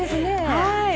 はい！